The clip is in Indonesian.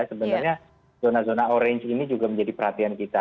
sebenarnya zona zona orange ini juga menjadi perhatian kita